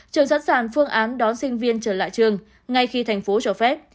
trường sẵn sàng phương án đón sinh viên trở lại trường ngay khi thành phố cho phép